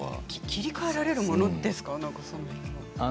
切り替えられるものですか。